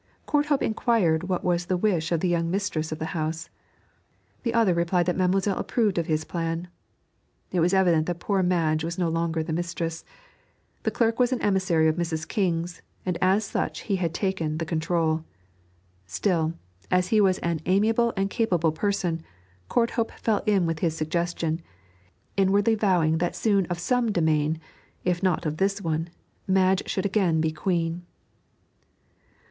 Courthope inquired what was the wish of the young mistress of the house. The other replied that mademoiselle approved of his plan. It was evident that poor Madge was no longer the mistress; the clerk was an emissary of Mrs. King's, and as such he had taken the control. Still, as he was an amiable and capable person, Courthope fell in with his suggestion, inwardly vowing that soon of some domain, if not of this one, Madge should again be queen.